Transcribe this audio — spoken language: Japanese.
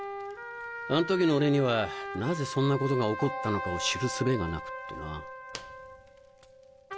あの時の俺にはなぜそんなことが起こったのかを知るすべがなくってな。